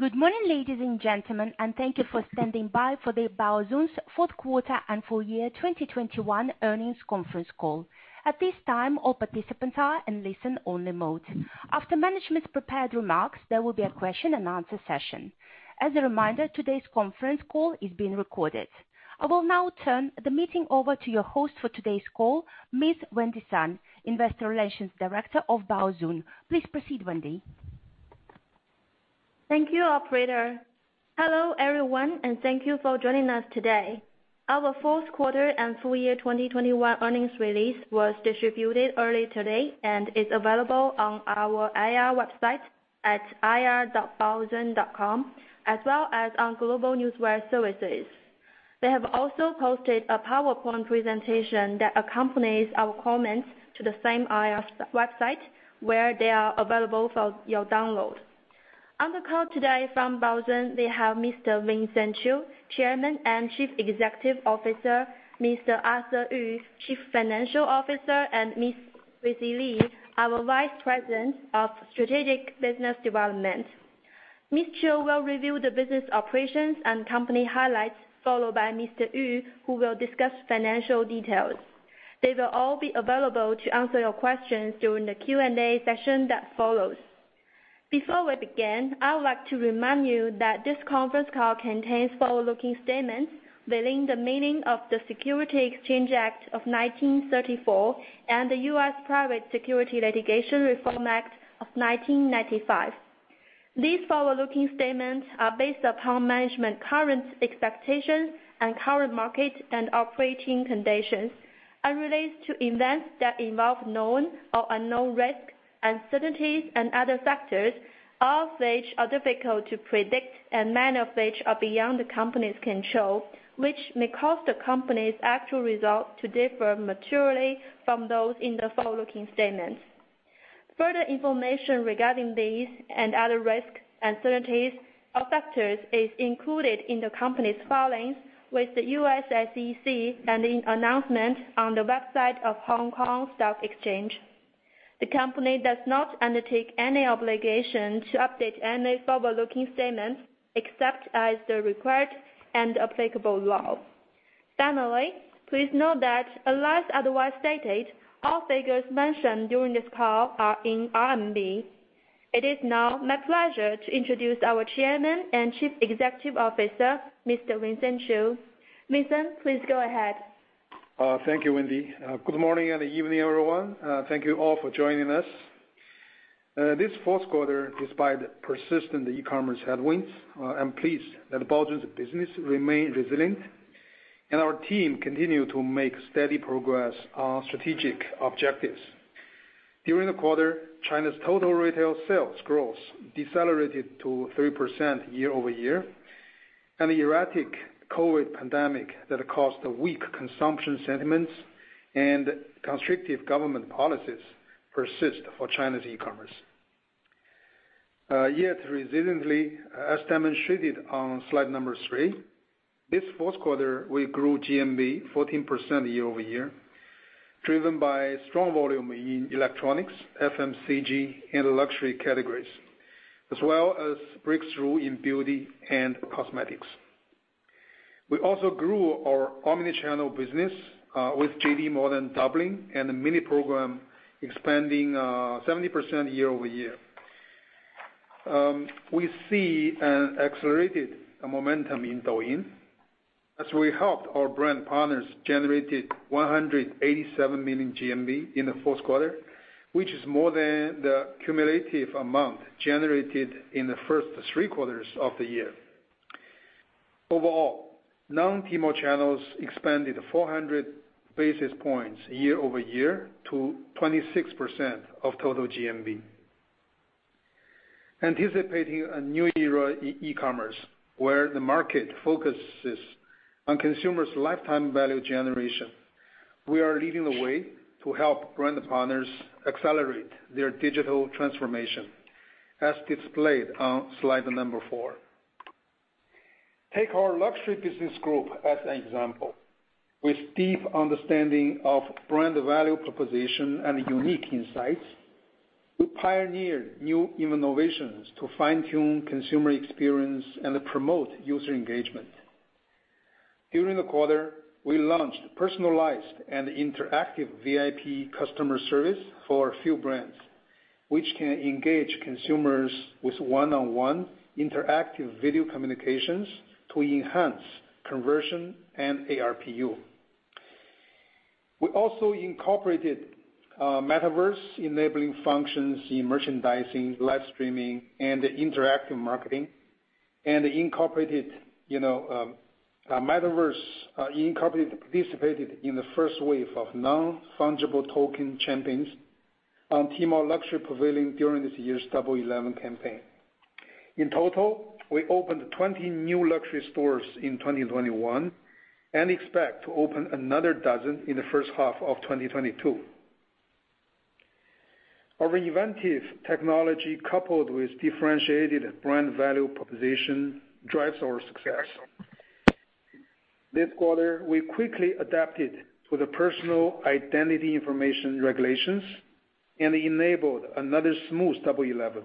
Good morning, ladies and gentlemen, and thank you for standing by for Baozun's fourth quarter and full year 2021 earnings conference call. At this time, all participants are in listen-only mode. After management's prepared remarks, there will be a question-and-answer session. As a reminder, today's conference call is being recorded. I will now turn the meeting over to your host for today's call, Ms. Wendy Sun, Investor Relations Director of Baozun. Please proceed, Wendy. Thank you, operator. Hello, everyone, and thank you for joining us today. Our fourth quarter and full year 2021 earnings release was distributed early today and is available on our IR website at ir.baozun.com, as well as on global newswire services. They have also posted a PowerPoint presentation that accompanies our comments to the same IR website, where they are available for your download. On the call today from Baozun, we have Mr. Vincent Qiu, Chairman and Chief Executive Officer, Mr. Arthur Yu, Chief Financial Officer, and Ms. Tracy Li, our Vice President of Strategic Business Development. Mr. Qiu will review the business operations and company highlights, followed by Mr. Yu, who will discuss financial details. They will all be available to answer your questions during the Q&A session that follows. Before we begin, I would like to remind you that this conference call contains forward-looking statements within the meaning of the Securities Exchange Act of 1934 and the U.S. Private Securities Litigation Reform Act of 1995. These forward-looking statements are based upon management current expectations and current market and operating conditions and relates to events that involve known or unknown risks, uncertainties, and other factors, all of which are difficult to predict and many of which are beyond the company's control, which may cause the company's actual results to differ materially from those in the forward-looking statements. Further information regarding these and other risks, uncertainties, or factors is included in the company's filings with the U.S. SEC and in announcements on the website of Hong Kong Stock Exchange. The company does not undertake any obligation to update any forward-looking statements except as required and applicable law. Finally, please note that unless otherwise stated, all figures mentioned during this call are in RMB. It is now my pleasure to introduce our Chairman and Chief Executive Officer, Mr. Vincent Qiu. Vincent, please go ahead. Thank you, Wendy. Good morning and evening, everyone. Thank you all for joining us. This fourth quarter, despite persistent e-commerce headwinds, I'm pleased that Baozun's business remained resilient, and our team continued to make steady progress on strategic objectives. During the quarter, China's total retail sales growth decelerated to 3% year-over-year, and the erratic COVID pandemic that caused weak consumption sentiments and constrictive government policies persist for China's e-commerce. Yet resiliently, as demonstrated on slide three, this fourth quarter, we grew GMV 14% year-over-year, driven by strong volume in electronics, FMCG, and luxury categories, as well as breakthrough in beauty and cosmetics. We also grew our omni-channel business, with JD.com more than doubling and the mini program expanding, 70% year-over-year. We see an accelerated momentum in Douyin, as we helped our brand partners generated 187 million GMV in the fourth quarter, which is more than the cumulative amount generated in the first three quarters of the year. Overall, non-Tmall channels expanded 400 basis points year-over-year to 26% of total GMV. Anticipating a new era in e-commerce where the market focuses on consumers' lifetime value generation, we are leading the way to help brand partners accelerate their digital transformation, as displayed on slide four. Take our luxury business group as an example. With deep understanding of brand value proposition and unique insights, we pioneered new innovations to fine-tune consumer experience and promote user engagement. During the quarter, we launched personalized and interactive VIP customer service for a few brands, which can engage consumers with one-on-one interactive video communications to enhance conversion and ARPU. We also incorporated metaverse-enabling functions in merchandising, live streaming, and interactive marketing, and participated in the first wave of non-fungible token champions on Tmall Luxury Pavilion during this year's Double 11 campaign. In total, we opened 20 new luxury stores in 2021 and expect to open another 12 in the first half of 2022. Our inventive technology, coupled with differentiated brand value proposition, drives our success. This quarter, we quickly adapted to the personal identity information regulations and enabled another smooth Double 11.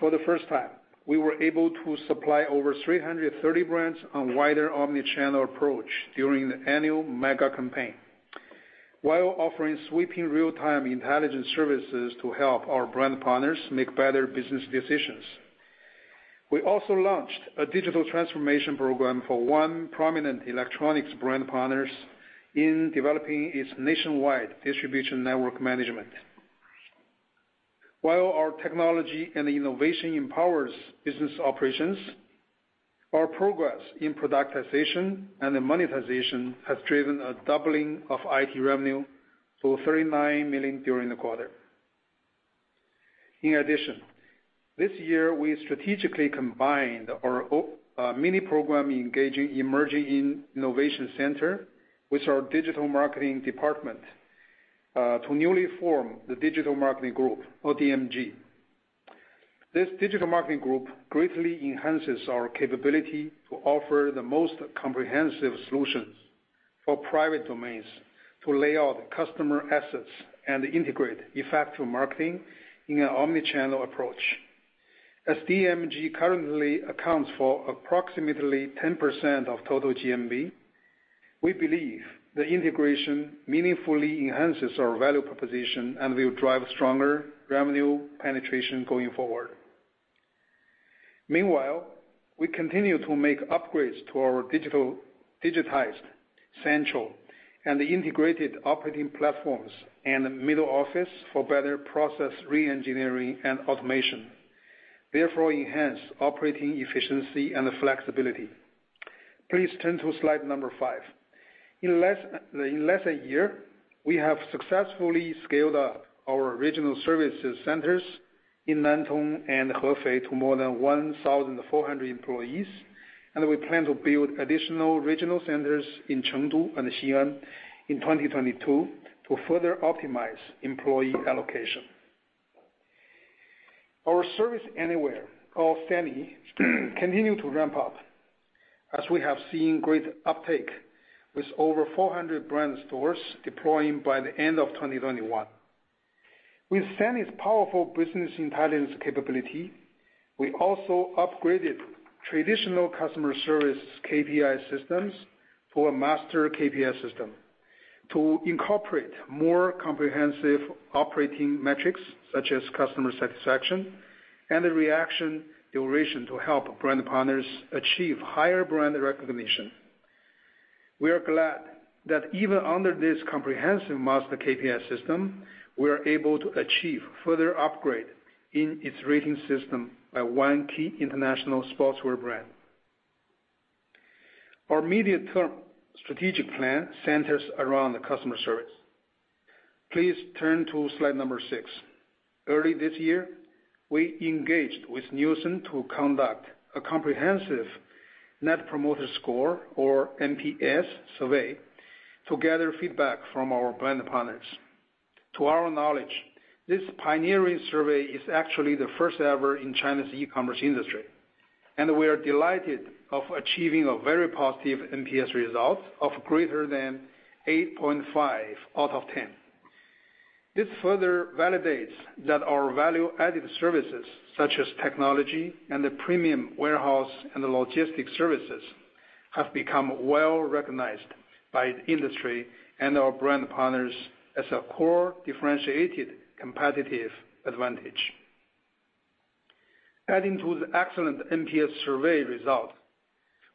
For the first time, we were able to supply over 330 brands on wider omni-channel approach during the annual mega campaign, while offering sweeping real-time intelligence services to help our brand partners make better business decisions. We also launched a digital transformation program for one prominent electronics brand partners in developing its nationwide distribution network management. While our technology and innovation empowers business operations, our progress in productization and monetization has driven a doubling of IT revenue to 39 million during the quarter. In addition, this year, we strategically combined our Technology and Innovation Center with our digital marketing department to newly form the Digital Marketing Group or DMG. This Digital Marketing Group greatly enhances our capability to offer the most comprehensive solutions for private domains to lay out customer assets and integrate effective marketing in an omni-channel approach. As DMG currently accounts for approximately 10% of total GMV, we believe the integration meaningfully enhances our value proposition and will drive stronger revenue penetration going forward. Meanwhile, we continue to make upgrades to our digitized, central, and integrated operating platforms and middle office for better process re-engineering and automation, therefore enhance operating efficiency and flexibility. Please turn to slide five. In less than a year, we have successfully scaled up our regional services centers in Nantong and Hefei to more than 1,400 employees, and we plan to build additional regional centers in Chengdu and Xi'an in 2022 to further optimize employee allocation. Our Serve Anywhere, or S-ANY, continue to ramp up as we have seen great uptake with over 400 brand stores deploying by the end of 2021. With S-ANY's powerful business intelligence capability, we also upgraded traditional customer service KPI systems to a master KPI system to incorporate more comprehensive operating metrics such as customer satisfaction and the reaction duration to help brand partners achieve higher brand recognition. We are glad that even under this comprehensive master KPI system, we are able to achieve further upgrade in its rating system by one key international sportswear brand. Our medium-term strategic plan centers around the customer service. Please turn to slide six. Early this year, we engaged with Nielsen to conduct a comprehensive Net Promoter Score, or NPS survey, to gather feedback from our brand partners. To our knowledge, this pioneering survey is actually the first ever in China's e-commerce industry, and we are delighted of achieving a very positive NPS result of greater than 8.5 out of 10. This further validates that our value-added services, such as technology and the premium warehouse and logistics services, have become well-recognized by the industry and our brand partners as a core differentiated competitive advantage. Adding to the excellent NPS survey result,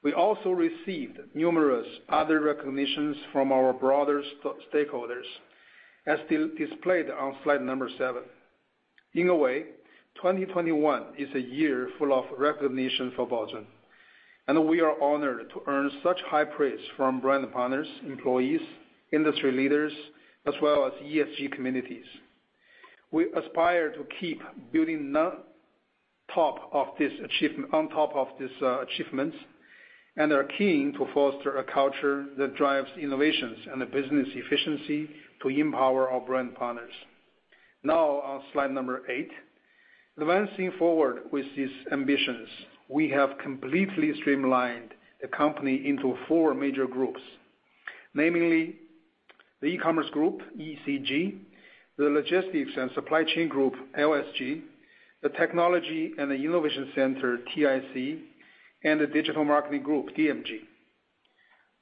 we also received numerous other recognitions from our broader stakeholders, as displayed on slide seven. In a way, 2021 is a year full of recognition for Baozun, and we are honored to earn such high praise from brand partners, employees, industry leaders, as well as ESG communities. We aspire to keep building on top of this achievement, achievements, and are keen to foster a culture that drives innovations and the business efficiency to empower our brand partners. Now, on slide number eight, advancing forward with these ambitions, we have completely streamlined the company into four major groups, namely the E-commerce group, ECG, the Logistics and Supply Chain Group, LSG, the Technology and Innovation Center, TIC, and the Digital Marketing Group, DMG.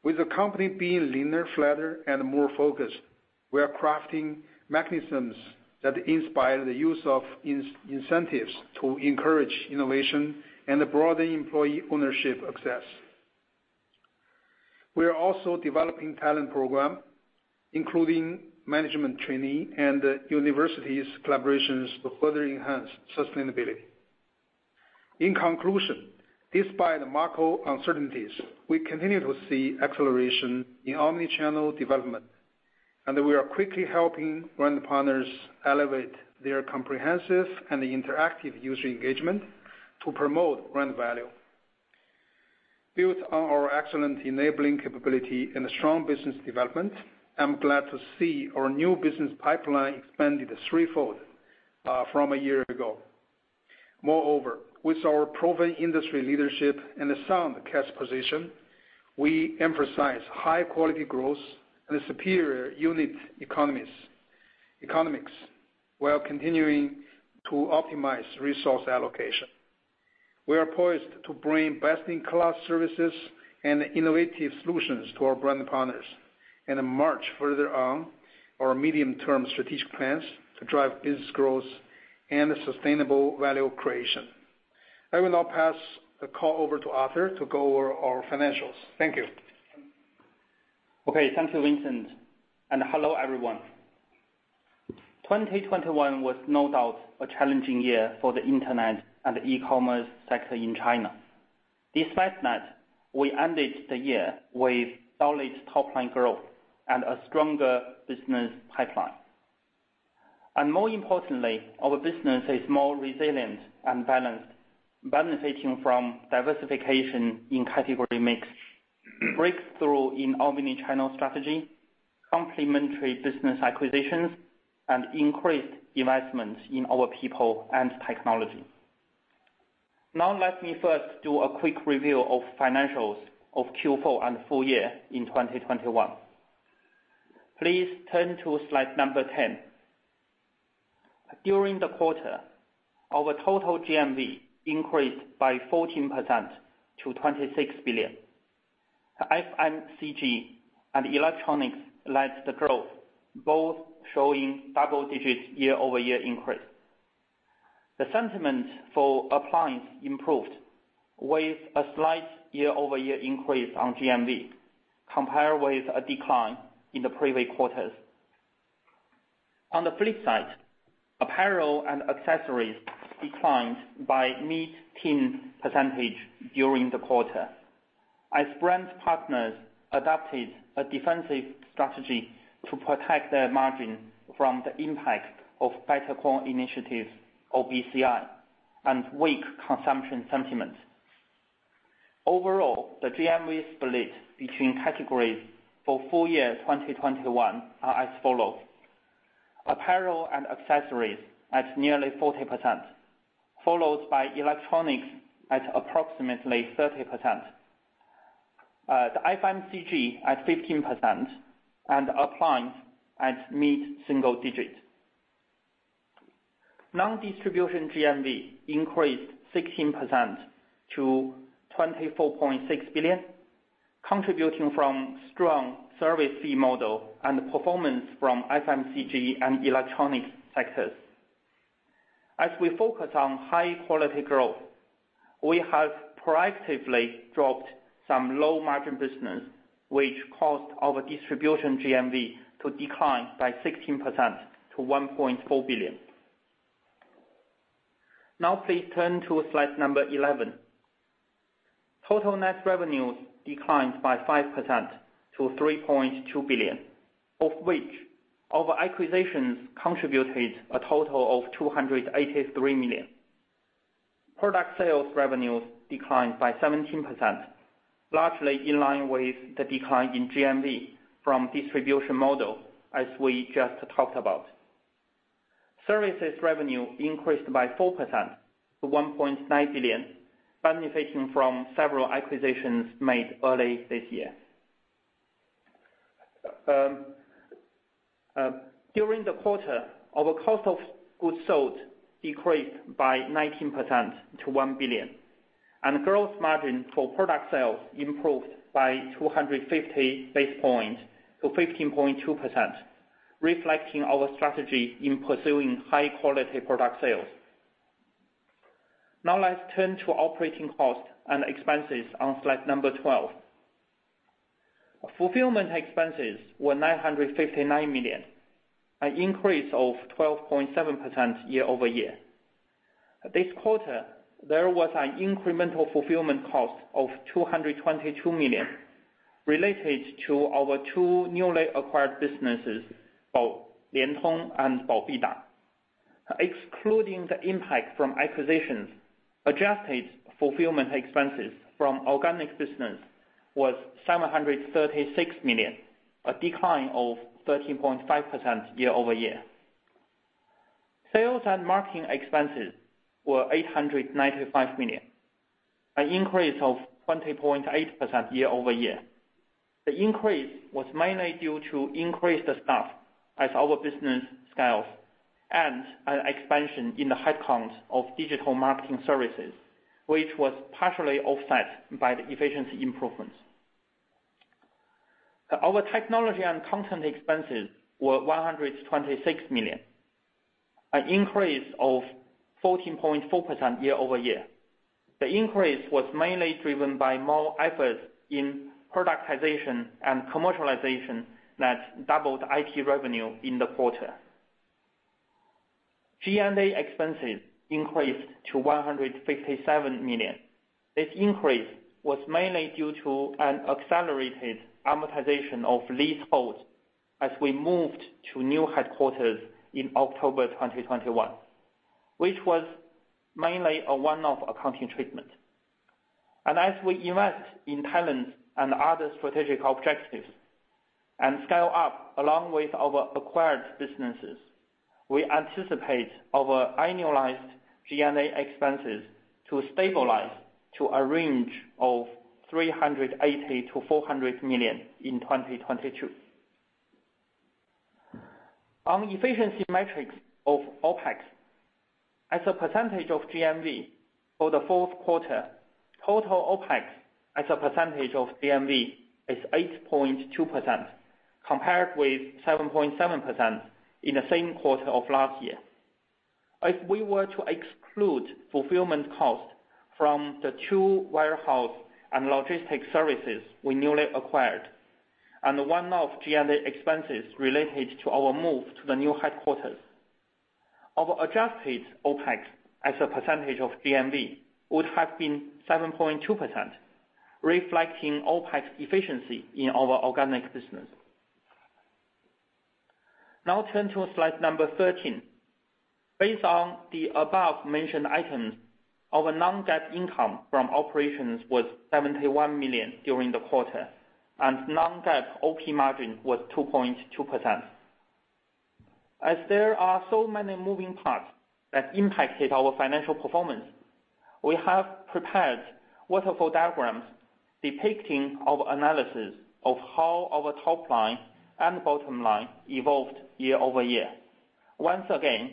With the company being leaner, flatter, and more focused, we are crafting mechanisms that inspire the use of incentives to encourage innovation and broaden employee ownership access. We are also developing talent program, including management trainee and universities collaborations to further enhance sustainability. In conclusion, despite the macro uncertainties, we continue to see acceleration in omni-channel development, and we are quickly helping brand partners elevate their comprehensive and interactive user engagement to promote brand value. Built on our excellent enabling capability and a strong business development, I'm glad to see our new business pipeline expanded threefold from a year ago. Moreover, with our proven industry leadership and a sound cash position, we emphasize high quality growth and a superior unit economics while continuing to optimize resource allocation. We are poised to bring best-in-class services and innovative solutions to our brand partners. We march further on our medium-term strategic plans to drive business growth and sustainable value creation. I will now pass the call over to Arthur to go over our financials. Thank you. Okay. Thank you, Vincent. Hello everyone. 2021 was no doubt a challenging year for the internet and e-commerce sector in China. Despite that, we ended the year with solid top line growth and a stronger business pipeline. More importantly, our business is more resilient and balanced, benefiting from diversification in category mix, breakthrough in omni-channel strategy, complementary business acquisitions, and increased investments in our people and technology. Now let me first do a quick review of financials of Q4 and full year in 2021. Please turn to slide 10. During the quarter, our total GMV increased by 14% to 26 billion. FMCG and electronics led the growth, both showing double digits year-over-year increase. The sentiment for appliance improved with a slight year-over-year increase on GMV, compared with a decline in the previous quarters. On the flip side, apparel and accessories declined by mid-teens percentage during the quarter as brand partners adopted a defensive strategy to protect their margin from the impact of Better Cotton Initiative or BCI, and weak consumption sentiment. Overall, the GMV split between categories for full year 2021 are as follows. Apparel and accessories at nearly 40%, followed by electronics at approximately 30%. The FMCG at 15%, and appliance at mid-single-digit. Non-distribution GMV increased 16% to 24.6 billion, contributing from strong service fee model and performance from FMCG and electronic sectors. As we focus on high quality growth, we have proactively dropped some low margin business, which caused our distribution GMV to decline by 16% to 1.4 billion. Now please turn to slide 11. Total net revenues declined by 5% to 3.2 billion, of which our acquisitions contributed a total of 283 million. Product sales revenues declined by 17%, largely in line with the decline in GMV from distribution model, as we just talked about. Services revenue increased by 4% to 1.9 billion, benefiting from several acquisitions made early this year. During the quarter, our cost of goods sold decreased by 19% to 1 billion. Gross margin for product sales improved by 250 basis points to 15.2%, reflecting our strategy in pursuing high quality product sales. Now let's turn to operating costs and expenses on slide 12. Fulfillment expenses were 959 million, an increase of 12.7% year-over-year. This quarter, there was an incremental fulfillment cost of 222 million related to our two newly acquired businesses, both LianTong and BaoBidang. Excluding the impact from acquisitions, adjusted fulfillment expenses from organic business was 736 million, a decline of 13.5% year-over-year. Sales and marketing expenses were 895 million, an increase of 20.8% year-over-year. The increase was mainly due to increased staff as our business scales and an expansion in the headcounts of digital marketing services, which was partially offset by the efficiency improvements. Our technology and content expenses were 126 million, an increase of 14.4% year-over-year. The increase was mainly driven by more efforts in productization and commercialization that doubled IT revenue in the quarter. G&A expenses increased to 157 million. This increase was mainly due to an accelerated amortization of leasehold as we moved to new headquarters in October 2021, which was mainly a one-off accounting treatment. As we invest in talent and other strategic objectives and scale up along with our acquired businesses, we anticipate our annualized G&A expenses to stabilize to a range of 380 million-400 million in 2022. On efficiency metrics of OpEx as a percentage of GMV for the fourth quarter, total OpEx as a percentage of GMV is 8.2% compared with 7.7% in the same quarter of last year. If we were to exclude fulfillment cost from the two warehouse and logistics services we newly acquired, and the one-off GMV expenses related to our move to the new headquarters, our adjusted OpEx as a percentage of GMV would have been 7.2%, reflecting OpEx efficiency in our organic business. Now turn to slide 13. Based on the above-mentioned items, our non-GAAP income from operations was 71 million during the quarter, and non-GAAP OP margin was 2.2%. As there are so many moving parts that impacted our financial performance, we have prepared waterfall diagrams depicting our analysis of how our top line and bottom line evolved year-over-year. Once again,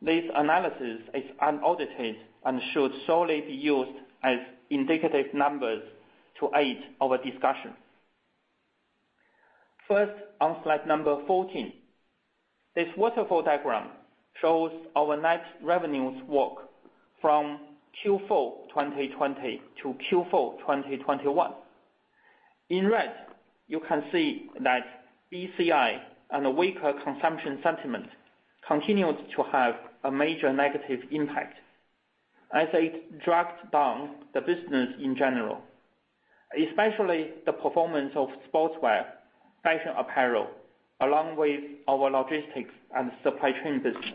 this analysis is unaudited and should solely be used as indicative numbers to aid our discussion. First, on slide 14. This waterfall diagram shows our net revenues walk from Q4 2020-Q4 2021. In red, you can see that BCI and weaker consumption sentiment continued to have a major negative impact as it dragged down the business in general, especially the performance of sportswear, fashion apparel, along with our logistics and supply chain business.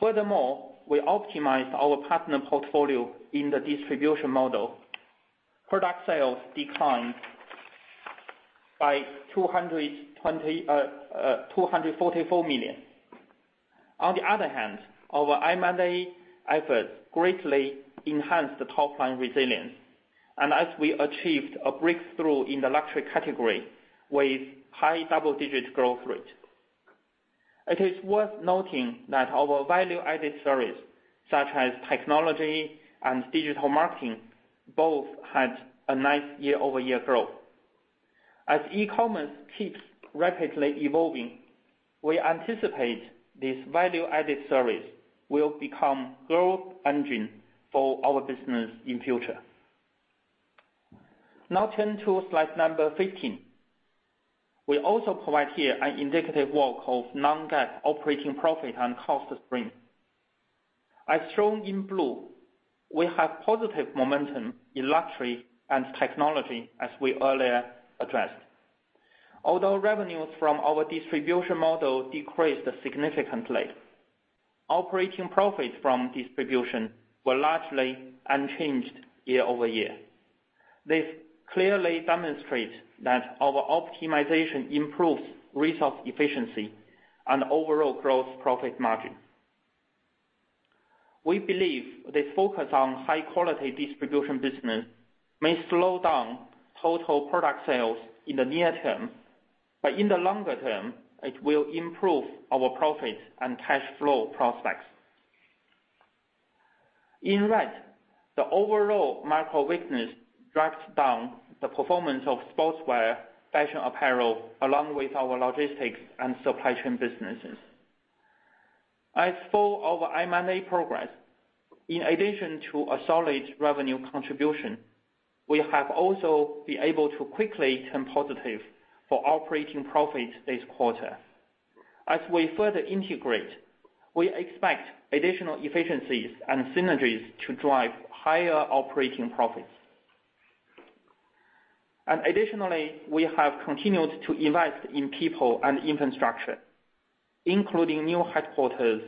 Furthermore, we optimized our partner portfolio in the distribution model. Product sales declined by 244 million. On the other hand, our M&A efforts greatly enhanced the top line resilience, and as we achieved a breakthrough in the luxury category with high double-digit growth rate. It is worth noting that our value-added service, such as technology and digital marketing, both had a nice year-over-year growth. As e-commerce keeps rapidly evolving, we anticipate this value-added service will become growth engine for our business in future. Now turn to slide number 15. We also provide here an indicative walk of non-GAAP operating profit and cost stream. As shown in blue, we have positive momentum in luxury and technology, as we earlier addressed. Although revenues from our distribution model decreased significantly, operating profits from distribution were largely unchanged year-over-year. This clearly demonstrates that our optimization improves resource efficiency and overall growth profit margin. We believe the focus on high quality distribution business may slow down total product sales in the near term, but in the longer term, it will improve our profit and cash flow prospects. In red, the overall macro weakness drags down the performance of sportswear, fashion apparel, along with our logistics and supply chain businesses. As for our M&A progress, in addition to a solid revenue contribution, we have also been able to quickly turn positive for operating profit this quarter. As we further integrate, we expect additional efficiencies and synergies to drive higher operating profits. Additionally, we have continued to invest in people and infrastructure, including new headquarters,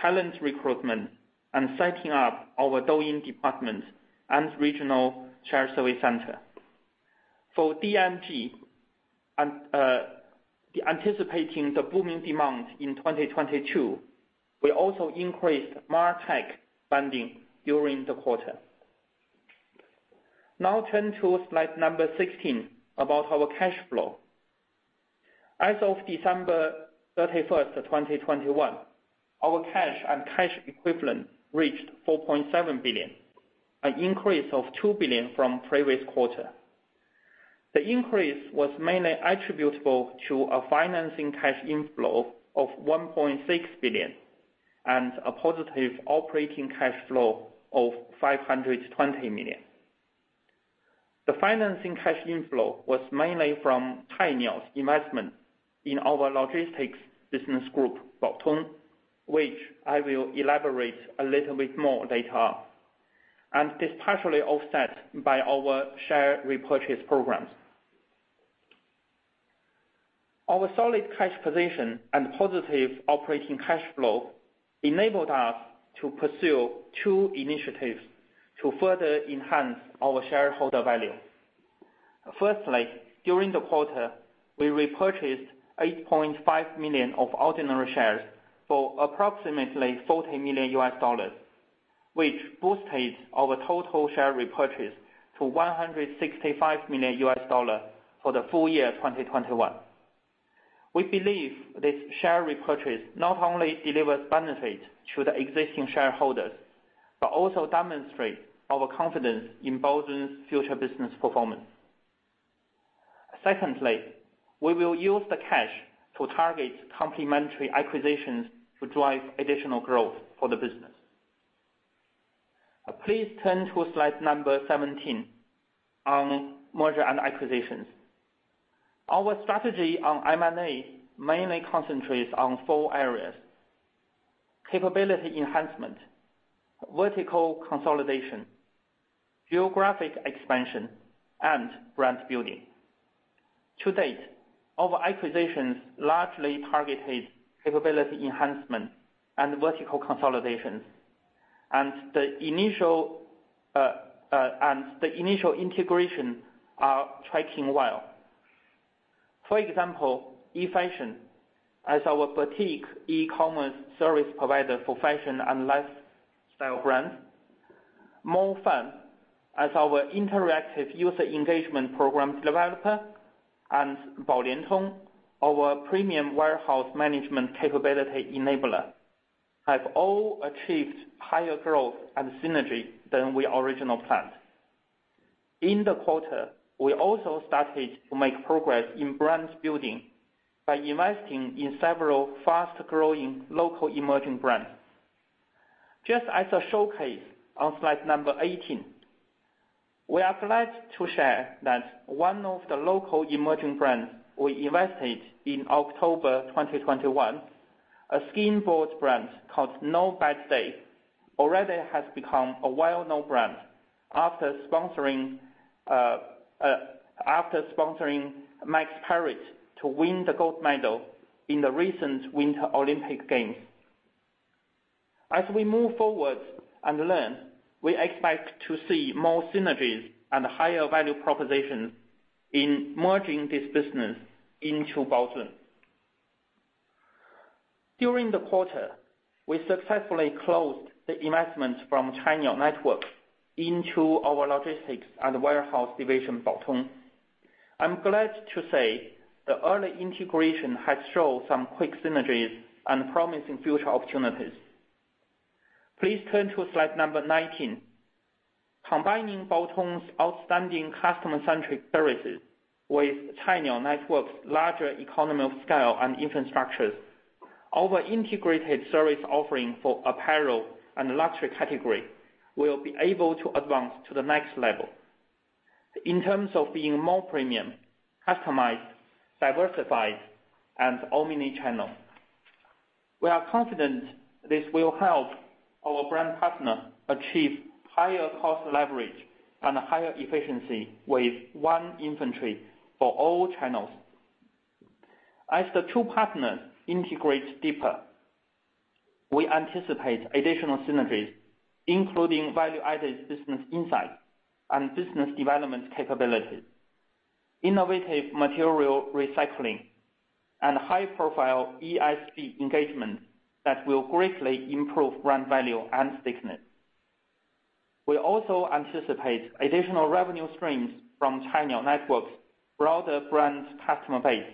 talent recruitment, and setting up our Douyin department and regional shared service center. For DMG and anticipating the booming demand in 2022, we also increased MarTech funding during the quarter. Now turn to slide 16 about our cash flow. As of December 31st, 2021, our cash and cash equivalent reached 4.7 billion, an increase of 2 billion from previous quarter. The increase was mainly attributable to a financing cash inflow of 1.6 billion and a positive operating cash flow of 520 million. The financing cash inflow was mainly from Cainiao's investment in our logistics business group, Baotong, which I will elaborate a little bit more later. It's partially offset by our share repurchase programs. Our solid cash position and positive operating cash flow enabled us to pursue two initiatives to further enhance our shareholder value. Firstly, during the quarter, we repurchased 8.5 million of ordinary shares for approximately $40 million, which boosted our total share repurchase to $165 million for the full year 2021. We believe this share repurchase not only delivers benefit to the existing shareholders, but also demonstrate our confidence in Baozun's future business performance. Secondly, we will use the cash to target complementary acquisitions to drive additional growth for the business. Please turn to slide number 17 on merger and acquisitions. Our strategy on M&A mainly concentrates on four areas. Capability enhancement, vertical consolidation, geographic expansion, and brand building. To date, our acquisitions largely targeted capability enhancement and vertical consolidations. The initial integration are tracking well. For example, eFashion as our boutique e-commerce service provider for fashion and lifestyle brands, MoFun as our interactive user engagement programs developer, and Bao Lian Tong, our premium warehouse management capability enabler, have all achieved higher growth and synergy than we originally planned. In the quarter, we also started to make progress in brand building by investing in several fast-growing local emerging brands. Just as a showcase on slide number 18, we are glad to share that one of the local emerging brands we invested in October 2021, a skateboard brand called NOBADAY, already has become a well-known brand after sponsoring Max Parrot to win the gold medal in the recent Winter Olympic Games. As we move forward and learn, we expect to see more synergies and higher value propositions in merging this business into Baozun. During the quarter, we successfully closed the investment from Cainiao Network into our logistics and warehouse division, Baotong. I'm glad to say the early integration has shown some quick synergies and promising future opportunities. Please turn to slide number 19. Combining Baotong's outstanding customer-centric services with Cainiao Network's larger economies of scale and infrastructure, our integrated service offering for apparel and luxury category will be able to advance to the next level in terms of being more premium, customized, diversified, and omni-channel. We are confident this will help our brand partner achieve higher cost leverage and higher efficiency with one inventory for all channels. As the two partners integrate deeper, we anticipate additional synergies, including value-added business insight and business development capabilities, innovative material recycling, and high-profile ESG engagement that will greatly improve brand value and stickiness. We also anticipate additional revenue streams from Cainiao Network's broader brands customer base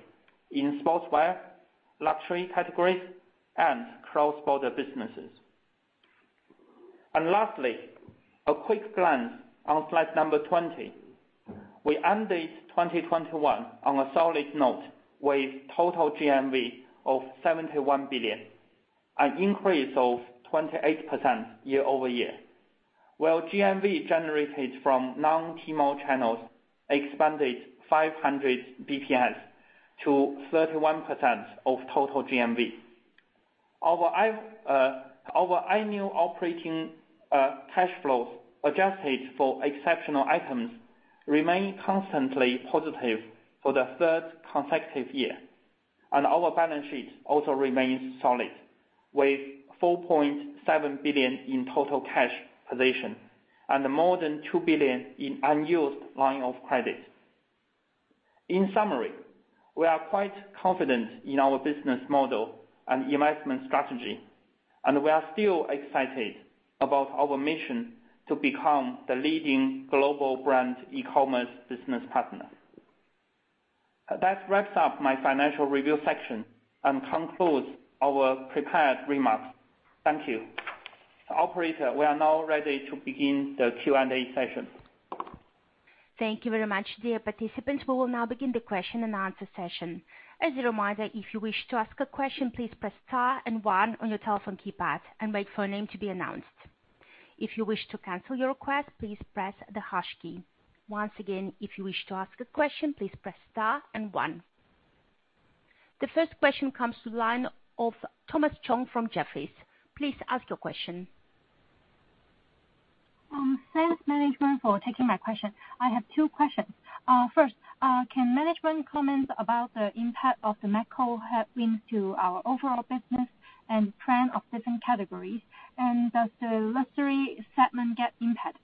in sportswear, luxury categories, and cross-border businesses. Lastly, a quick glance on slide number 20. We ended 2021 on a solid note with total GMV of 71 billion, an increase of 28% year-over-year, while GMV generated from non-Tmall channels expanded 500 BPS to 31% of total GMV. Our annual operating cash flows adjusted for exceptional items remain constantly positive for the third consecutive year. Our balance sheet also remains solid with 4.7 billion in total cash position and more than 2 billion in unused line of credit. In summary, we are quite confident in our business model and investment strategy, and we are still excited about our mission to become the leading global brand e-commerce business partner. That wraps up my financial review section and concludes our prepared remarks. Thank you. Operator, we are now ready to begin the Q&A session. Thank you very much. Dear participants, we will now begin the question and answer session. As a reminder, if you wish to ask a question, please press star and one on your telephone keypad and wait for your name to be announced. If you wish to cancel your request, please press the hash key. Once again, if you wish to ask a question, please press star and one. The first question comes to the line of Thomas Chong from Jefferies. Please ask your question. Thanks, management for taking my question. I have two questions. First, can management comment about the impact of the macro headwinds to our overall business and trend of different categories? Does the luxury segment get impact?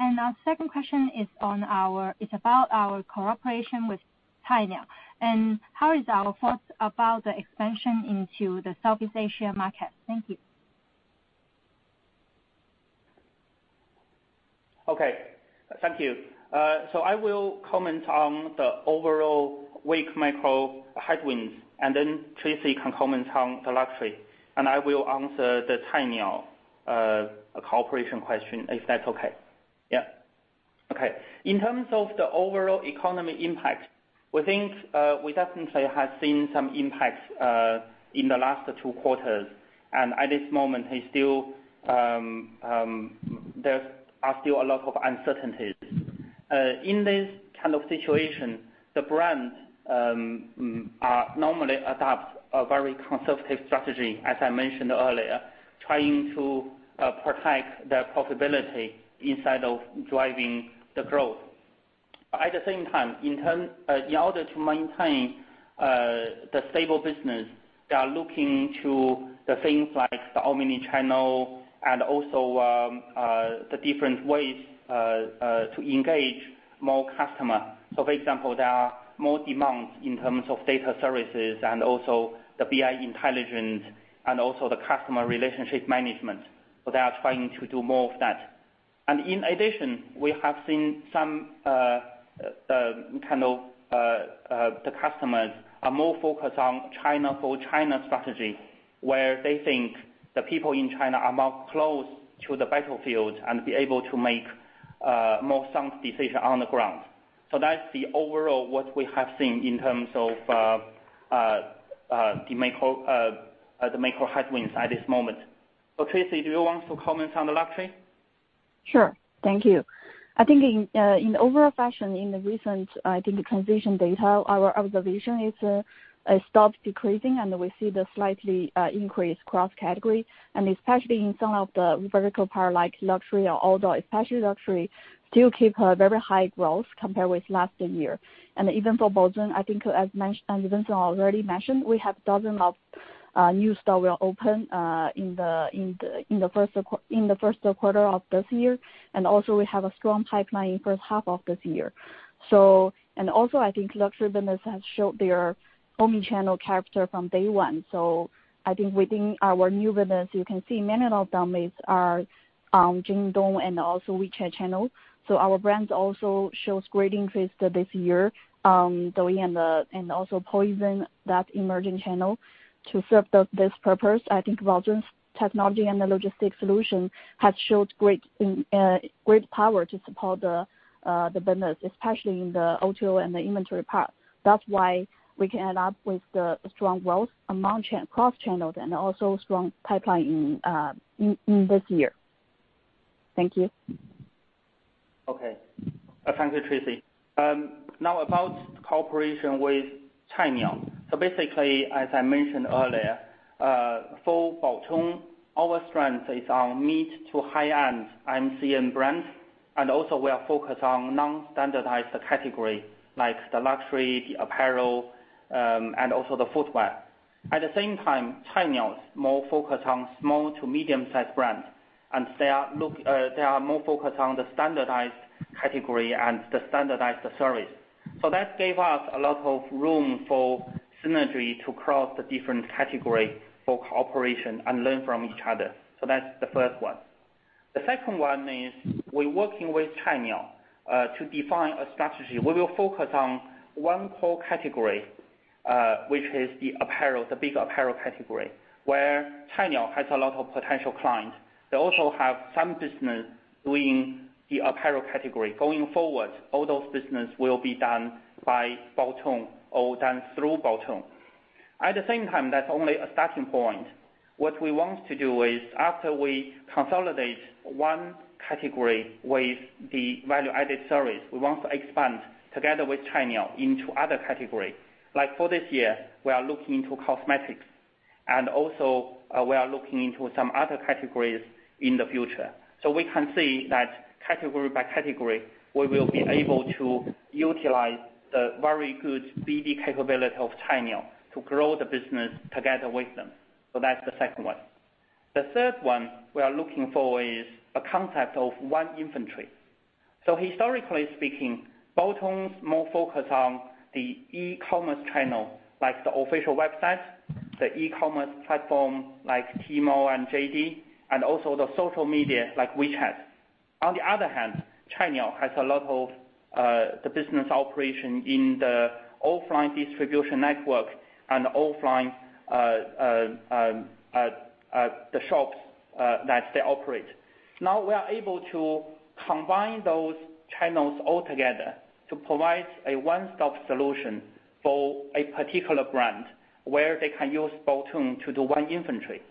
Our second question is about our cooperation with Cainiao. How is our thoughts about the expansion into the Southeast Asia market? Thank you. Okay. Thank you. I will comment on the overall weak macro headwinds, and then Tracy can comment on the luxury, and I will answer the Cainiao cooperation question, if that's okay. Yeah. Okay. In terms of the overall economy impact, we think we definitely have seen some impacts in the last two quarters, and at this moment there are still a lot of uncertainties. In this kind of situation, the brands normally adopt a very conservative strategy, as I mentioned earlier, trying to protect their profitability instead of driving the growth. At the same time, in order to maintain the stable business, they are looking to the things like the omnichannel and also the different ways to engage more customer. For example, there are more demands in terms of data services and also the BI intelligence and also the customer relationship management. They are trying to do more of that. In addition, we have seen the customers are more focused on China for China strategy, where they think the people in China are more close to the battlefield and be able to make more sound decision on the ground. That's the overall what we have seen in terms of the macro headwinds at this moment. Tracy, do you want to comment on the luxury? Sure. Thank you. I think in overall fashion in the recent transaction data, our observation is, it stops decreasing, and we see slight increase across categories, and especially in some of the verticals like luxury, although especially luxury still keep a very high growth compared with last year. Even for Baozun, I think as Vincent already mentioned, we have dozen of new store will open in the first quarter of this year. We have a strong pipeline in first half of this year. I think luxury business has showed their omni-channel character from day one. I think within our new business, you can see many of them are Jingdong and also WeChat channel. Our brands also show great interest this year in doing and also pushing that emerging channel. To serve this purpose, I think Baozun's technology and the logistics solution has shown great power to support the business, especially in the O2O and the inventory part. That's why we can end up with the strong growth among cross-channels and also strong pipeline in this year. Thank you. Okay. Thank you, Tracy. Now about cooperation with Cainiao. Basically, as I mentioned earlier, for Baozun, our strength is on mid to high-end MCN brands, and also we are focused on non-standardized category, like the luxury, the apparel, and also the footwear. At the same time, Cainiao is more focused on small to medium-sized brands, and they are more focused on the standardized category and the standardized service. That gave us a lot of room for synergy to cross the different category for cooperation and learn from each other. That's the first one. The second one is we're working with Cainiao to define a strategy. We will focus on one core category, which is the apparel, the big apparel category, where Cainiao has a lot of potential clients. They also have some business doing the apparel category. Going forward, all those business will be done by Baozun or done through Baozun. At the same time, that's only a starting point. What we want to do is, after we consolidate one category with the value-added service, we want to expand together with Cainiao into other category. Like for this year, we are looking into cosmetics, and also, we are looking into some other categories in the future. We can see that category by category, we will be able to utilize the very good BD capability of Cainiao to grow the business together with them. That's the second one. The third one we are looking for is a concept of one inventory. Historically speaking, Baozun's more focused on the e-commerce channel, like the official website, the e-commerce platform like Tmall and JD.com, and also the social media like WeChat. On the other hand, Cainiao has a lot of the business operation in the offline distribution network and offline the shops that they operate. Now, we are able to combine those channels all together to provide a one-stop solution for a particular brand, where they can use Baozun to do one inventory.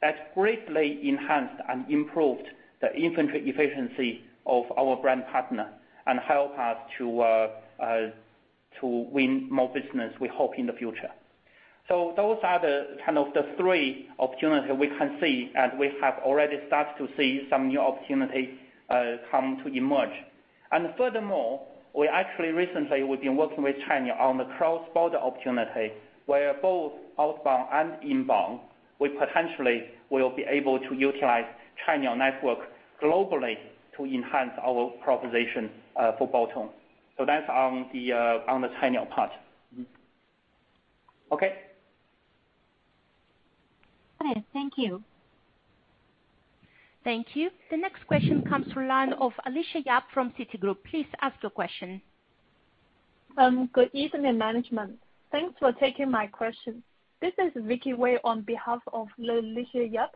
That greatly enhanced and improved the inventory efficiency of our brand partner and help us to win more business we hope in the future. Those are the kind of the three opportunities we can see, and we have already started to see some new opportunities come to emerge. Furthermore, we actually recently, we've been working with Cainiao on the cross-border opportunity, where both outbound and inbound, we potentially will be able to utilize Cainiao Network globally to enhance our proposition for Baotong. That's on the China part. Okay. Okay. Thank you. Thank you. The next question comes from the line of Alicia Yap from Citigroup. Please ask your question. Good evening, management. Thanks for taking my question. This is Vicky Wei on behalf of Alicia Yap.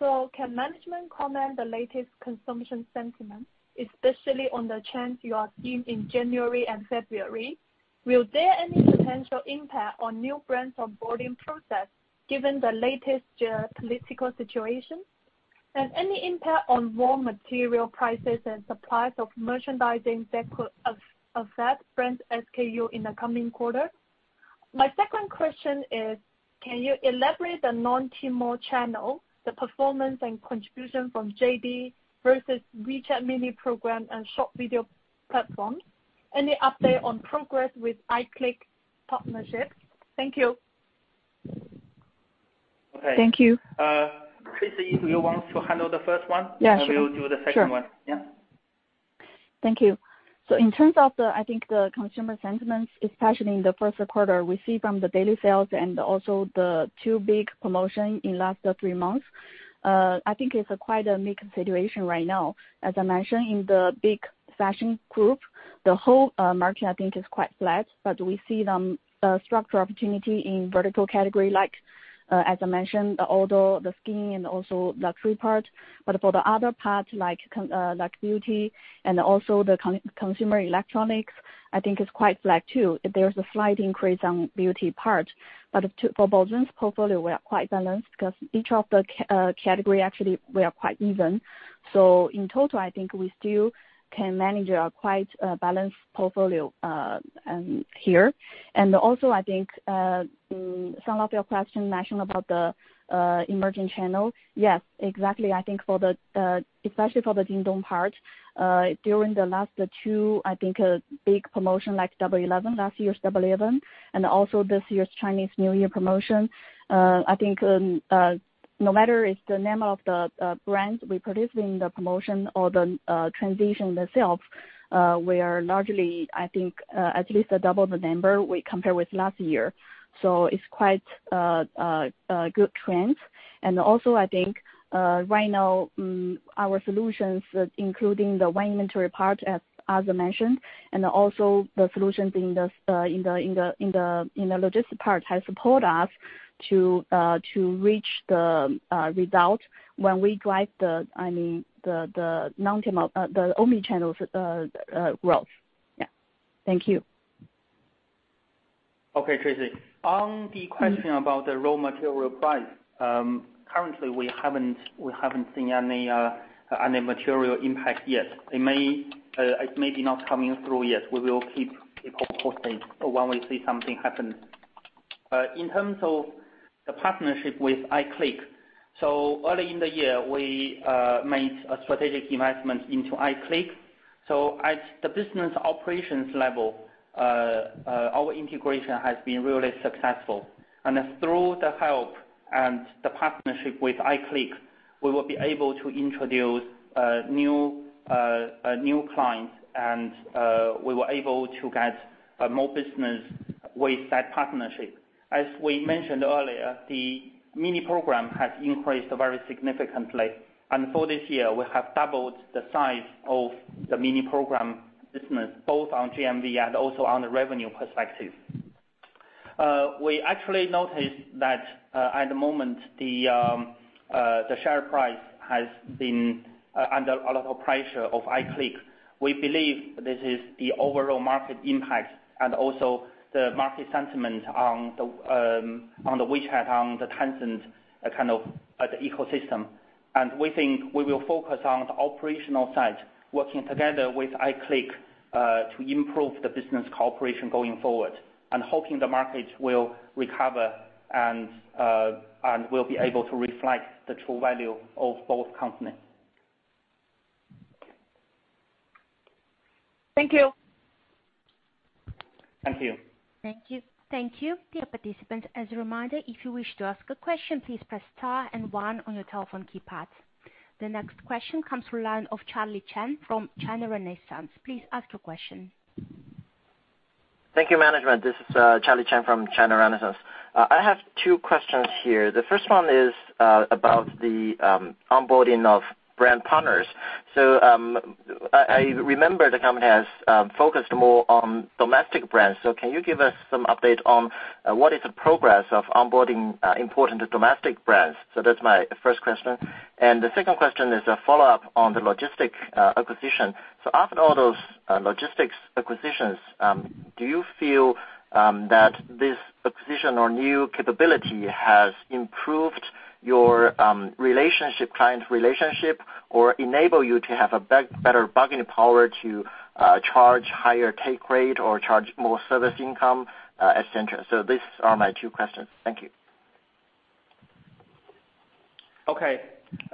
Can management comment on the latest consumption sentiment, especially on the trends you are seeing in January and February? Will there be any potential impact on new brands onboarding process given the latest geopolitical situation? Has there been any impact on raw material prices and supplies of merchandising that could affect brand SKU in the coming quarter? My second question is, can you elaborate on the non-Tmall channel, the performance and contribution from JD.com versus WeChat mini program and short video platforms? Any update on progress with iClick partnerships? Thank you. Okay. Thank you. Tracy, if you want to handle the first one. Yeah, sure. We'll do the second one. Sure. Yeah. Thank you. In terms of the, I think, the consumer sentiments, especially in the first quarter, we see from the daily sales and also the two big promotion in last three months, I think it's quite a mixed situation right now. As I mentioned, in the E-Fashion group, the whole margin I think is quite flat, but we see some structural opportunity in vertical category like, as I mentioned, although the skin and also luxury part. For the other part like beauty and also the consumer electronics, I think it's quite flat too. There's a slight increase on beauty part. For Baozun's portfolio, we are quite balanced because each of the category actually we are quite even. In total, I think we still can manage a quite balanced portfolio here. Also I think some of your question mentioned about the emerging channels. Yes, exactly. I think for the especially for the Jingdong part during the last two I think big promotion like Double 11, last year's Double 11, and also this year's Chinese New Year promotion I think no matter if the number of the brands we promote in the promotion or the transactions themselves we are largely I think at least double the number we compare with last year. It's quite good trends. I think right now our solutions, including the wine inventory part, as I mentioned, and also the solution in the logistics part has supported us to reach the result when we drive, I mean, the non-Tmall omnichannel growth. Yeah. Thank you. Okay, Tracy. On the question about the raw material price, currently we haven't seen any material impact yet. It may be not coming through yet. We will keep reporting when we see something happen. In terms of the partnership with iClick, early in the year, we made a strategic investment into iClick. At the business operations level, our integration has been really successful. Through the help and the partnership with iClick, we will be able to introduce new clients, and we were able to get more business with that partnership. As we mentioned earlier, the mini program has increased very significantly. For this year, we have doubled the size of the mini program business, both on GMV and also on the revenue perspective. We actually noticed that at the moment the share price has been under a lot of pressure of iClick. We believe this is the overall market impact and also the market sentiment on the WeChat, on the Tencent, kind of the ecosystem. We think we will focus on the operational side, working together with iClick to improve the business cooperation going forward, and hoping the market will recover and will be able to reflect the true value of both companies. Thank you. Thank you. Thank you. Dear participants, as a reminder, if you wish to ask a question, please press star and one on your telephone keypad. The next question comes from the line of Charlie Chen from China Renaissance. Please ask your question. Thank you, management. This is Charlie Chen from China Renaissance. I have two questions here. The first one is about the onboarding of brand partners. I remember the company has focused more on domestic brands. Can you give us some update on what is the progress of onboarding important domestic brands? That's my first question. The second question is a follow-up on the logistics acquisition. After all those logistics acquisitions, do you feel that this acquisition or new capability has improved your client relationship or enable you to have a better bargaining power to charge higher take rate or charge more service income, et cetera. These are my two questions. Thank you. Okay.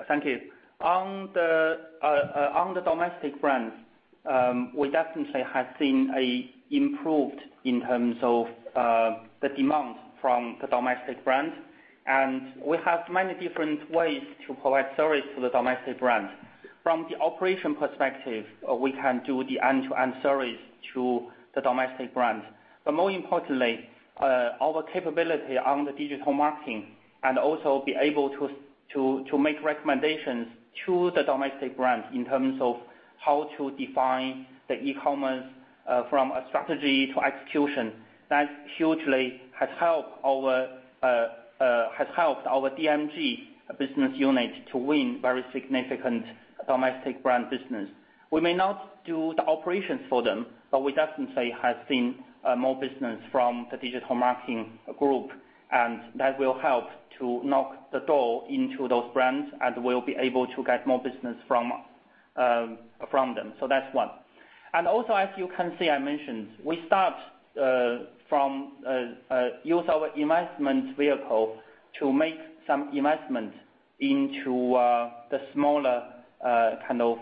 Thank you. On the domestic brands, we definitely have seen an improvement in terms of the demand from the domestic brands. We have many different ways to provide service to the domestic brands. From the operation perspective, we can do the end-to-end service to the domestic brands. More importantly, our capability on the digital marketing, and also be able to make recommendations to the domestic brands in terms of how to define the e-commerce from a strategy to execution, that hugely has helped our DMG business unit to win very significant domestic brand business. We may not do the operations for them, but we definitely have seen more business from the Digital Marketing Group, and that will help to knock the door into those brands and we'll be able to get more business from them. That's one. Also, as you can see, I mentioned we use our investment vehicle to make some investment into the smaller kind of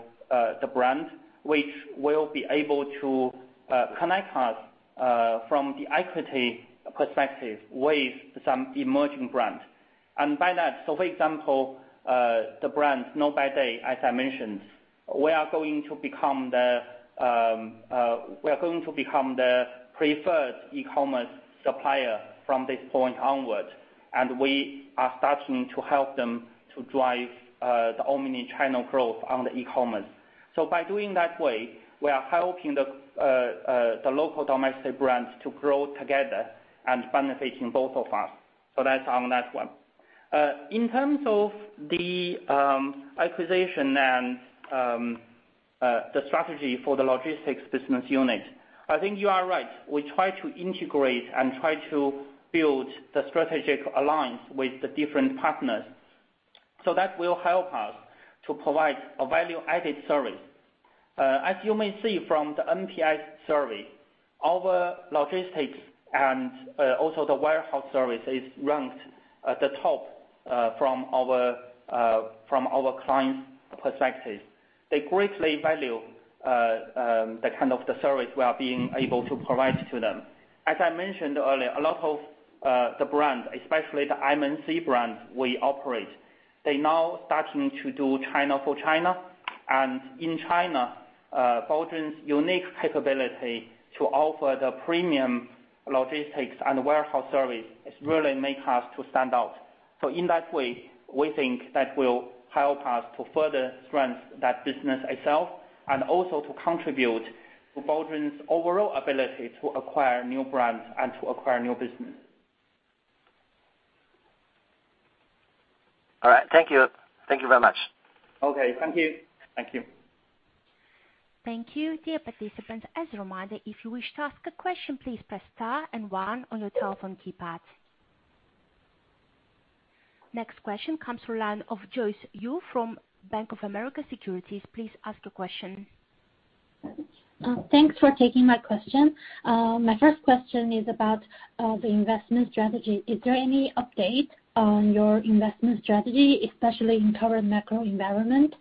the brand, which will be able to connect us from the equity perspective with some emerging brands. By that, for example, the brand NOBADAY, as I mentioned, we are going to become the preferred e-commerce supplier from this point onward. We are starting to help them to drive the omni-channel growth on the e-commerce. By doing that way, we are helping the local domestic brands to grow together and benefiting both of us. That's on that one. In terms of the acquisition and the strategy for the logistics business unit, I think you are right. We try to integrate and try to build the strategic alliance with the different partners. That will help us to provide a value-added service. As you may see from the NPS survey, our logistics and also the warehouse service is ranked at the top from our clients' perspective. They greatly value the kind of the service we are being able to provide to them. As I mentioned earlier, a lot of the brands, especially the MNC brands we operate, they now starting to do China for China. In China, Baozun's unique capability to offer the premium logistics and warehouse service is really make us to stand out. In that way, we think that will help us to further strengthen that business itself, and also to contribute to Baozun's overall ability to acquire new brands and to acquire new business. All right. Thank you. Thank you very much. Okay, thank you. Thank you. Thank you. Dear participants, as a reminder, if you wish to ask a question, please press star one on your telephone keypad. Next question comes from the line of Joyce Ju from Bank of America Securities. Please ask your question. Thanks for taking my question. My first question is about the investment strategy. Is there any update on your investment strategy, especially in current macro environment?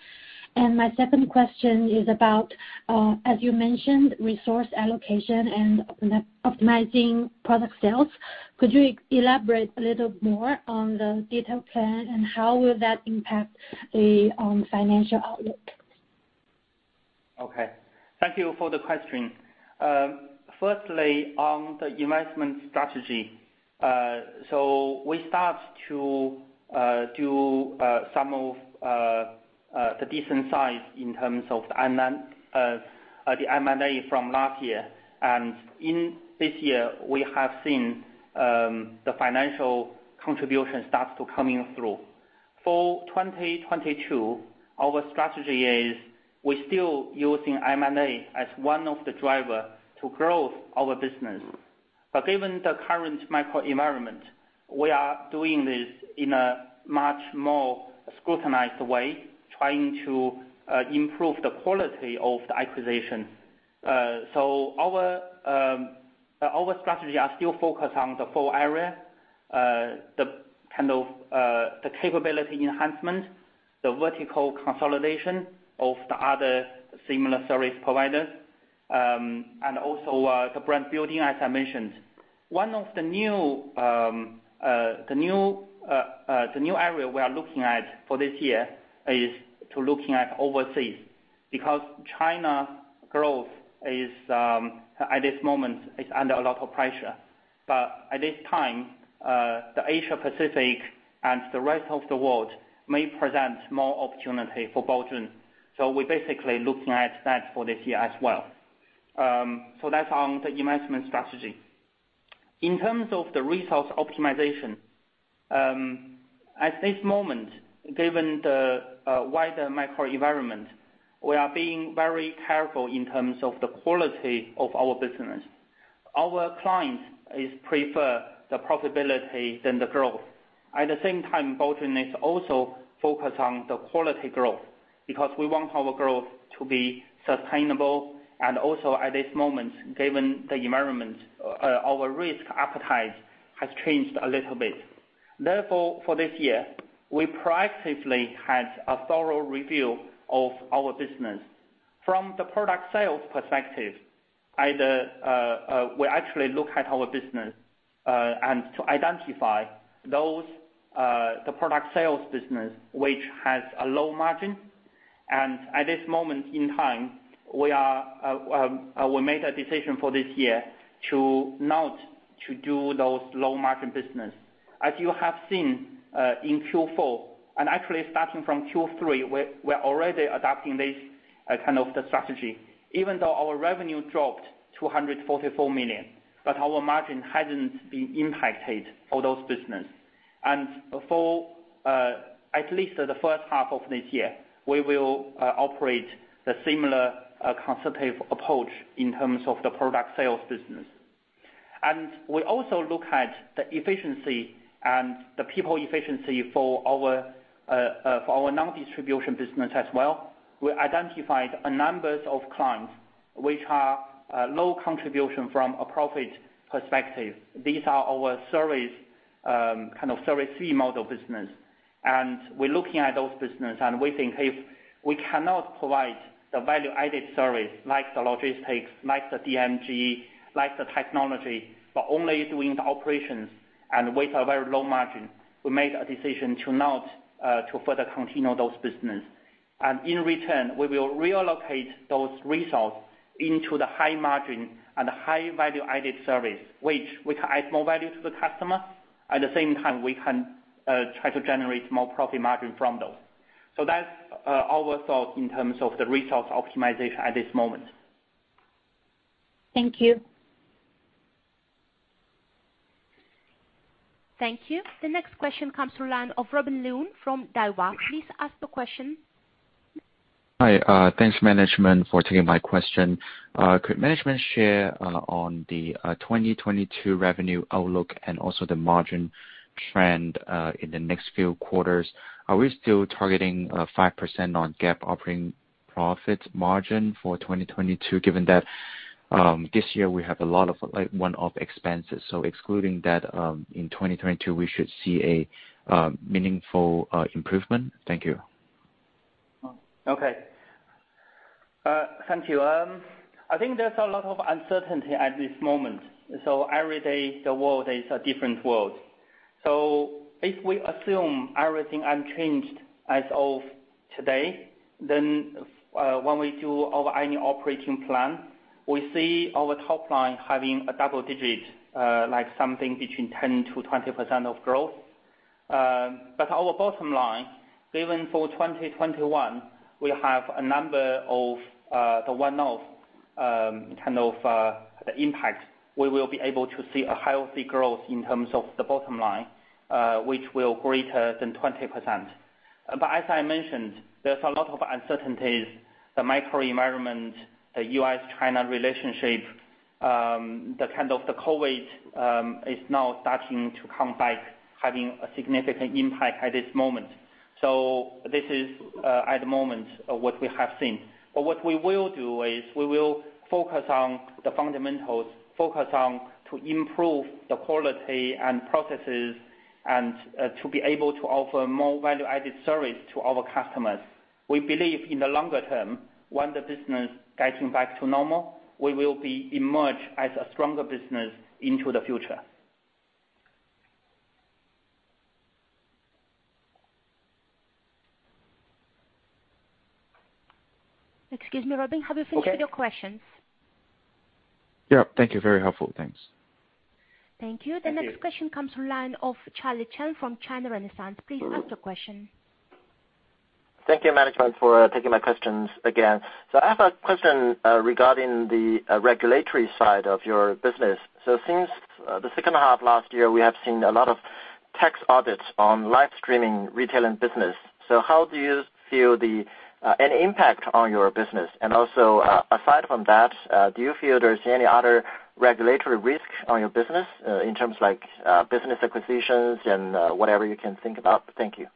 My second question is about, as you mentioned, resource allocation and optimizing product sales. Could you elaborate a little more on the detailed plan and how will that impact the financial outlook? Okay. Thank you for the question. Firstly, on the investment strategy, we start to do some of the different sides in terms of the M&A from last year. In this year, we have seen the financial contribution starts to coming through. For 2022, our strategy is we're still using M&A as one of the driver to growth our business. Given the current microenvironment, we are doing this in a much more scrutinized way, trying to improve the quality of the acquisition. Our strategy are still focused on the four area. The kind of capability enhancement, the vertical consolidation of the other similar service providers, and also the brand building, as I mentioned. One of the new area we are looking at for this year is to looking at overseas. China growth is at this moment under a lot of pressure. At this time, the Asia Pacific and the rest of the world may present more opportunity for Baozun. We're basically looking at that for this year as well. That's on the investment strategy. In terms of the resource optimization, at this moment, given the wider macroenvironment, we are being very careful in terms of the quality of our business. Our clients is prefer the profitability than the growth. At the same time, Baozun is also focused on the quality growth, because we want our growth to be sustainable. At this moment, given the environment, our risk appetite has changed a little bit. Therefore, for this year, we proactively had a thorough review of our business. From the product sales perspective, we actually look at our business and to identify those the product sales business which has a low margin. At this moment in time, we are we made a decision for this year to not to do those low margin business. As you have seen, in Q4, and actually starting from Q3, we're already adapting this kind of the strategy. Even though our revenue dropped to 144 million, but our margin hasn't been impacted for those business. For at least the first half of this year, we will operate the similar conservative approach in terms of the product sales business. We also look at the efficiency and the people efficiency for our non-distribution business as well. We identified a numbers of clients which are low contribution from a profit perspective. These are our service kind of service fee model business. We're looking at those business and we think if we cannot provide the value-added service like the logistics, like the DMG, like the technology, but only doing the operations and with a very low margin, we made a decision to not further continue those business. In return, we will reallocate those resource into the high margin and high value-added service, which we can add more value to the customer. At the same time, we can try to generate more profit margin from those. That's our thought in terms of the resource optimization at this moment. Thank you. Thank you. The next question comes from the line of Robin Leung from Daiwa. Please ask the question. Hi. Thanks management for taking my question. Could management share on the 2022 revenue outlook and also the margin trend in the next few quarters? Are we still targeting 5% on GAAP operating profit margin for 2022, given that this year we have a lot of, like, one-off expenses? Excluding that, in 2022, we should see a meaningful improvement. Thank you. Okay. Thank you. I think there's a lot of uncertainty at this moment. Every day, the world is a different world. If we assume everything unchanged as of today, then when we do our annual operating plan, we see our top line having double-digit, like, something between 10%-20% growth. Our bottom line, given for 2021, we have a number of the one-off kind of impact. We will be able to see a healthy growth in terms of the bottom line, which will be greater than 20%. As I mentioned, there's a lot of uncertainties, the macroenvironment, the U.S.-China relationship, the COVID is now starting to come back, having a significant impact at this moment. This is, at the moment, what we have seen. What we will do is we will focus on the fundamentals to improve the quality and processes and to be able to offer more value-added service to our customers. We believe in the longer term, when the business getting back to normal, we will be emerged as a stronger business into the future. Excuse me, Robin. Okay. Have you finished with your questions? Yeah. Thank you. Very helpful. Thanks. Thank you. Thank you. The next question comes from the line of Charlie Chen from China Renaissance. Please ask the question. Thank you, management, for taking my questions again. I have a question regarding the regulatory side of your business. Since the second half last year, we have seen a lot of tax audits on live-streaming retail business. How do you feel the impact on your business? Aside from that, do you feel there's any other regulatory risk on your business in terms of like business acquisitions and whatever you can think about? Thank you.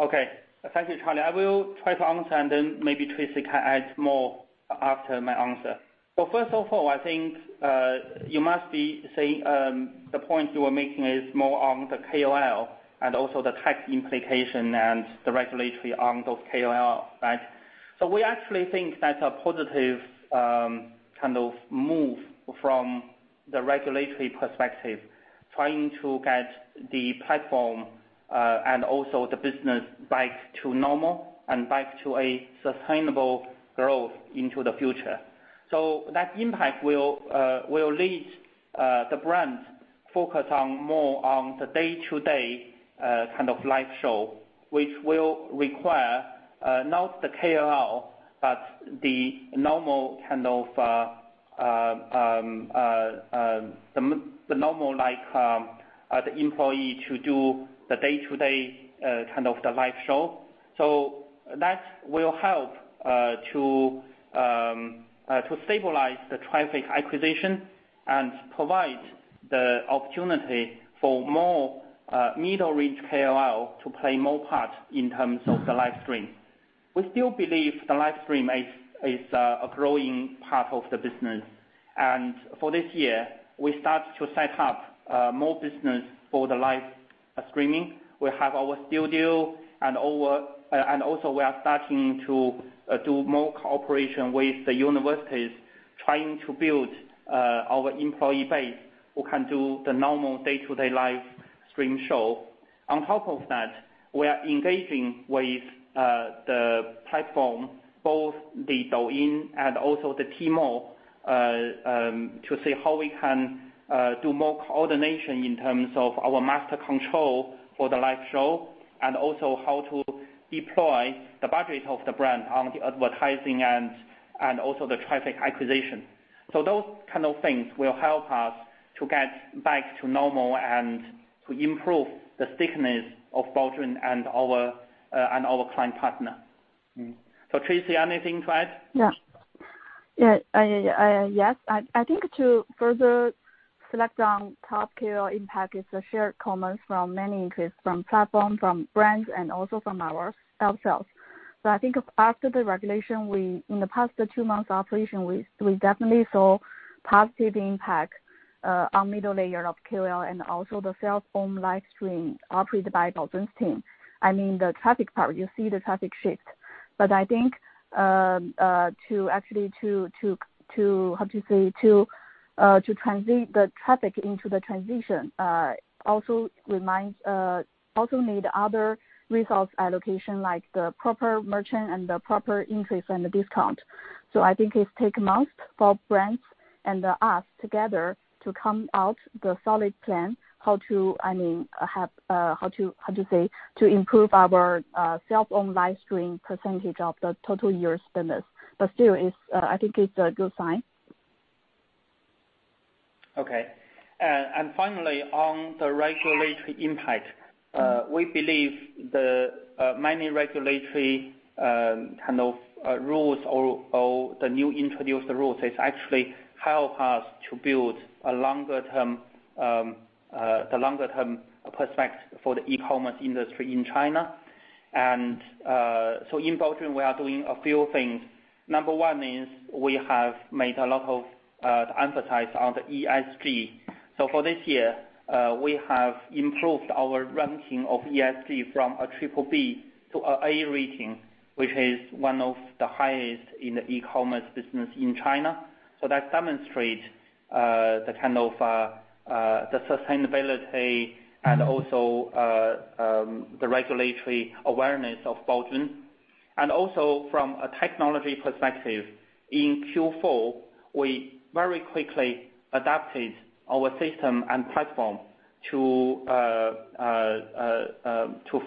Okay. Thank you, Charlie. I will try to answer, and then maybe Tracy can add more after my answer. First of all, I think you must be saying the point you are making is more on the KOL and also the tax implication and the regulatory on those KOL. Right? We actually think that's a positive kind of move from the regulatory perspective, trying to get the platform and also the business back to normal and back to a sustainable growth into the future. That impact will lead the brand focus on more on the day-to-day kind of live show, which will require not the KOL, but the normal kind of the normal like the employee to do the day-to-day kind of the live show. That will help to stabilize the traffic acquisition and provide the opportunity for more middle-reach KOL to play more part in terms of the live stream. We still believe the live stream is a growing part of the business. For this year, we start to set up more business for the live streaming. We have our studio and also we are starting to do more cooperation with the universities, trying to build our employee base who can do the normal day-to-day live stream show. On top of that, we are engaging with the platform, both the Douyin and also the Tmall, to see how we can do more coordination in terms of our master control for the live show, and also how to deploy the budget of the brand on the advertising and also the traffic acquisition. Those kind of things will help us to get back to normal and to improve the stickiness of Baozun and our client partner. Tracy, anything to add? Yeah. Yes. I think to further select on top KOL impact is the shared comments from many investors, from platforms, from brands, and also from ourselves. I think after the regulation, in the past two months operation, we definitely saw positive impact on middle layer of KOL and also the sales from live stream operated by Baozun's team. I mean, the traffic part, you see the traffic shift. I think to actually translate the traffic into the conversion, it also requires other resource allocation, like the proper merchants and the proper incentives and the discount. I think it take months for brands and us together to come out the solid plan to improve our self-owned live stream percentage of the total year spenders. Still, I think it's a good sign. Okay. Finally, on the regulatory impact, we believe the many regulatory kind of rules or the new introduced rules has actually help us to build a longer term perspective for the e-commerce industry in China. In Baozun, we are doing a few things. Number one is we have made a lot of the emphasis on the ESG. For this year, we have improved our ranking of ESG from BBB to AA rating, which is one of the highest in the e-commerce business in China. That demonstrate the kind of sustainability and also the regulatory awareness of Baozun. From a technology perspective, in Q4, we very quickly adapted our system and platform to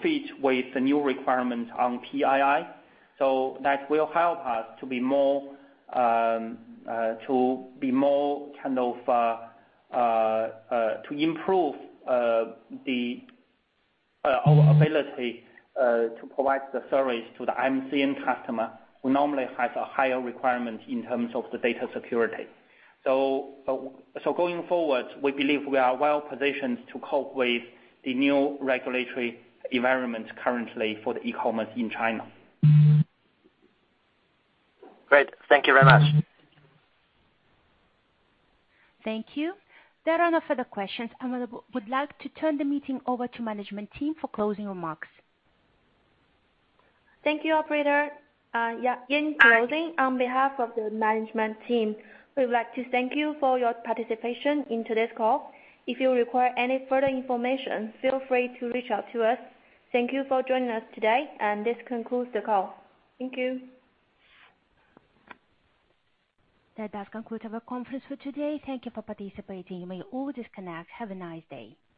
fit with the new requirement on PII. That will help us to improve the our ability to provide the service to the MCN customer who normally has a higher requirement in terms of the data security. Going forward, we believe we are well positioned to cope with the new regulatory environment currently for the e-commerce in China. Great. Thank you very much. Thank you. There are no further questions. I would like to turn the meeting over to management team for closing remarks. Thank you, operator. In closing, on behalf of the management team, we would like to thank you for your participation in today's call. If you require any further information, feel free to reach out to us. Thank you for joining us today, and this concludes the call. Thank you. That does conclude our conference for today. Thank you for participating. You may all disconnect. Have a nice day.